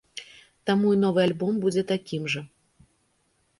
Таму і новы альбом будзе такім жа.